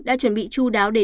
đã chuẩn bị chu đáo để lê hội